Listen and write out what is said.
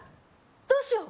どうしよう